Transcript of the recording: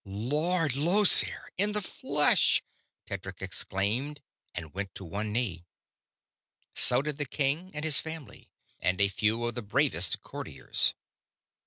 "Lord Llosir in the flesh!" Tedric exclaimed, and went to one knee. So did the king and his family, and a few of the bravest of the courtiers.